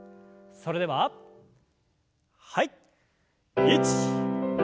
それでははい。